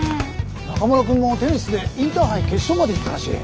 中村くんもテニスでインターハイ決勝まで行ったらしい。